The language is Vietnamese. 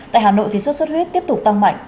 tại hà nội sốt sốt huyết tiếp tục tăng mạnh